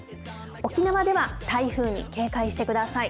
沖縄では台風に警戒してください。